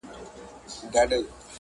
راځئ چې کار وکړو په کار جوړېږي